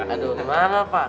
aduh mana pak